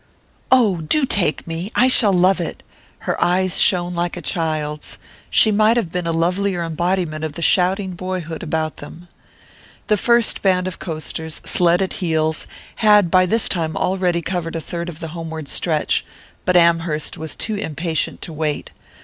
"Oh, do take me I shall love it!" Her eyes shone like a child's she might have been a lovelier embodiment of the shouting boyhood about them. The first band of coasters, sled at heels, had by this time already covered a third of the homeward stretch; but Amherst was too impatient to wait.